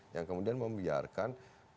yang kemudian membiarkan